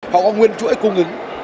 họ có nguyên chuỗi cung ứng